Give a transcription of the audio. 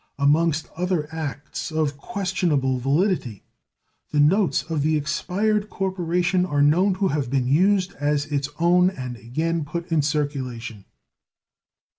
Amongst other acts of questionable validity, the notes of the expired corporation are known to have been used as its own and again put in circulation.